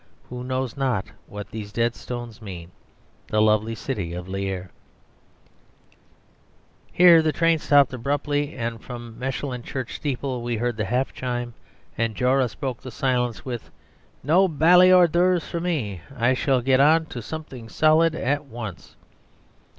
Who know not what these dead stones mean, The lovely city of Lierre.'" Here the train stopped abruptly. And from Mechlin church steeple we heard the half chime: and Joris broke silence with "No bally HORS D'OEUVRES for me: I shall get on to something solid at once."